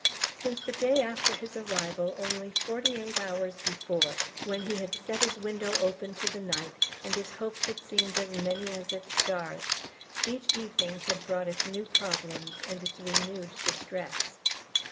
Since the day after his arrival, only forty eight hours before, when he had set his window open to the night, and his hopes had seemed as many as its stars, each evening had brought its new problem and its renewed distress.